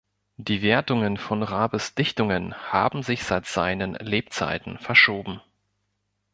Die Wertungen von Raabes Dichtungen haben sich seit seinen Lebzeiten verschoben.